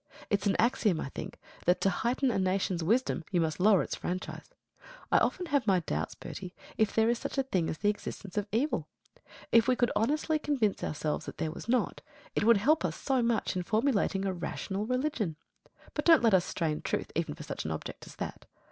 It's an axiom, I think, that to heighten a nation's wisdom you must lower its franchise. I often have my doubts, Bertie, if there is such a thing as the existence of evil? If we could honestly convince ourselves that there was not, it would help us so much in formulating a rational religion. But don't let us strain truth even for such an object as that.